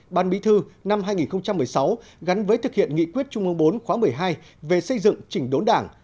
ban bí thư năm hai nghìn một mươi sáu gắn với thực hiện nghị quyết trung ương bốn khóa một mươi hai về xây dựng chỉnh đốn đảng